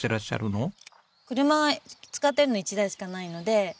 車は使ってるの１台しかないので。